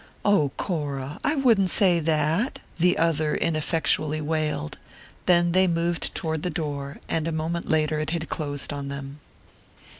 "Oh, Cora, I wouldn't say that," the other ineffectually wailed; then they moved toward the door, and a moment later it had closed on them.